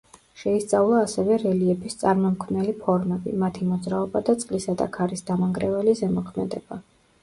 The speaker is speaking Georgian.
შეისწავლა ასევე რელიეფის წარმომქმნელი ფორმები, მათი მოძრაობა და წყლისა და ქარის დამანგრეველი ზემოქმედება.